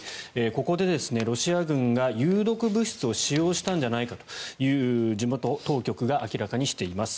ここでロシア軍が有毒物質を使用したのではと地元当局が明らかにしています。